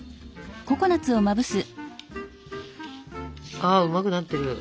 あうまくなってる。